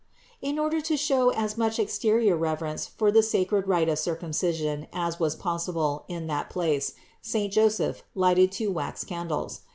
532. In order to show as much exterior reverence for the sacred rite of circumcision as was possible in that place, saint Joseph lighted two wax candles.